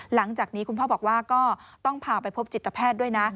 หลังจากนี้คุณพ่อบอกว่าก็ต้องพาไปพบจิตแพทย์ด้วยนะ